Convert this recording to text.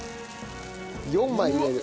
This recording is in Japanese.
４枚入れる。